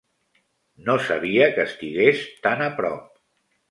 No sabia que estigués tan a prop.